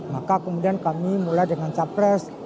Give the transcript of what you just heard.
maka kemudian kami mulai dengan capres